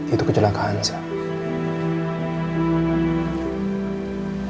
itu kecelakaan sam